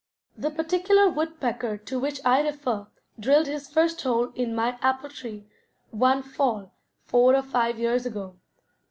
The particular woodpecker to which I refer drilled his first hole in my apple tree one fall four or five years ago.